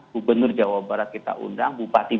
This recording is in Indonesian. gubernur jawa barat kita undang bupati